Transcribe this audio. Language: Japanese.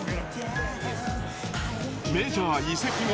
メジャー移籍後